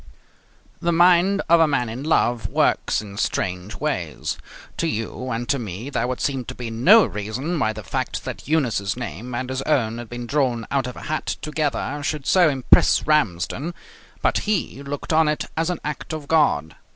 The mind of a man in love works in strange ways. To you and to me there would seem to be no reason why the fact that Eunice's name and his own had been drawn out of a hat together should so impress Ramsden, but he looked on it as an act of God.